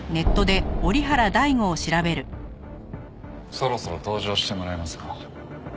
そろそろ登場してもらいますか。